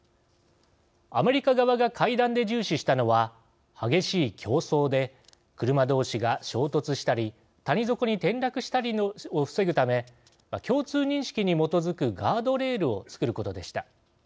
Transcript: アメリカ側が会談で重視したのは激しい競争で車同士が衝突したり谷底に転落したりするのを防ぐため、共通認識に基づくガードレールを作ることでした。